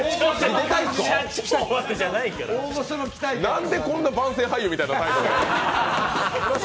なんでこんな番宣俳優みたいな態度で。